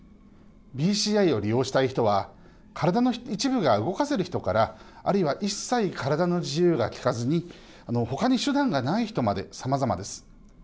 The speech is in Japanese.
ＢＣＩを利用したい人は体の一部が動かせる人からあるいは一切、体の自由が利かずにほかに手段がない人までさまざまです。